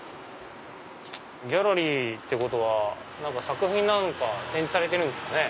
ギャラリーってことは作品なんか展示されてるんですかね。